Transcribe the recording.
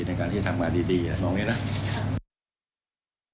ในการที่ทำมาดีอย่างนี้นะ